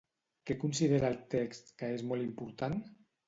Què considera el text que és molt important?